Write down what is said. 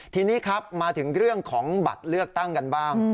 ทีนี้ครับมาถึงเรื่องของบัตรเลือกตั้งกันบ้าง